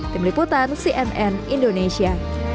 tim liputan cnn indonesia